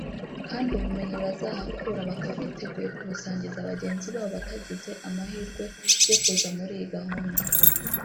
kandi ubumenyi bazahakura bakaba biteguye kubusangiza bagenzi babo batagize amahirwe yo kuza muri iyi gahunda